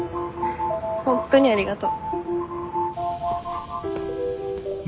本当にありがと。